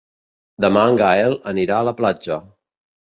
Demà en Gaël anirà a la platja.